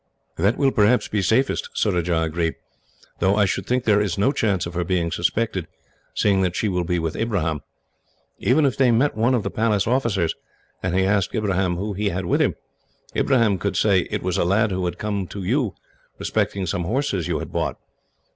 "That will perhaps be safest," Surajah agreed, "though I should think there is no chance of her being suspected, seeing that she will be with Ibrahim. Even if they met one of the Palace officers, and he asked Ibrahim who he had with him, he could say it was a lad who had come to you respecting some horses you had bought."